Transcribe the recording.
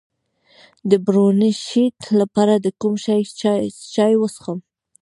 د برونشیت لپاره د کوم شي چای وڅښم؟